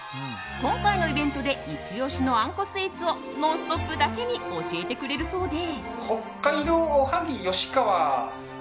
今回のイベントでイチ押しのあんこスイーツを「ノンストップ！」だけに教えてくれるそうで。